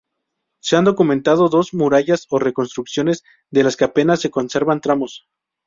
Se han documentado dos murallas o reconstrucciones de las que apenas se conservan tramos.